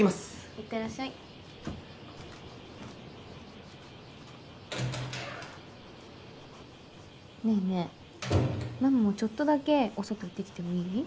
行ってらっしゃいねえねえママもちょっとだけお外行ってきてもいい？